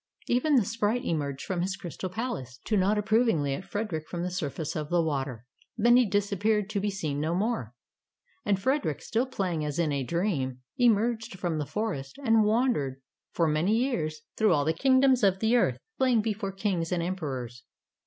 Even the sprite emerged from his crystal palace, to nod 90 Tales of Modern Germany approvingly at Frederick from the surface of the water. Then he disappeared to be seen no more. And Frederick, still playing as in a dream, emerged from the forest, and wandered for many years through all the kingdoms of the earth, playing before kings and emperors.